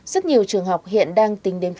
rất nhiều trường học hiện đang tinh đêm phân tích